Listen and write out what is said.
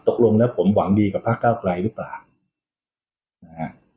ตกลงแล้วผมหวังดีกับพระเก้าไกลหรือเปล่านะฮะ